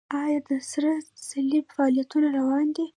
آیا د سره صلیب فعالیتونه روان دي؟